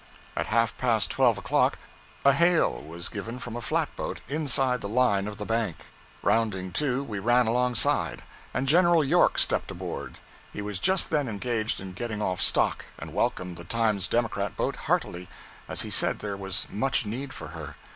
At half past twelve o'clock a hail was given from a flat boat inside the line of the bank. Rounding to we ran alongside, and General York stepped aboard. He was just then engaged in getting off stock, and welcomed the 'Times Democrat' boat heartily, as he said there was much need for her.